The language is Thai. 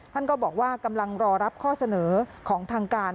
ท่านก็บอกว่ากำลังรอรับข้อเสนอของทางการ